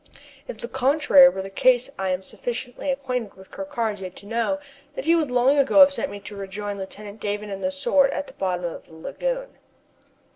If the contrary were the case I am sufficiently acquainted with Ker Karraje to know that he would long ago have sent me to rejoin Lieutenant Davon and the Sword at the bottom of the lagoon.